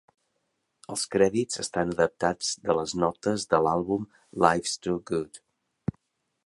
Els crèdits estan adaptats de les notes de l'àlbum "Life's Too Good".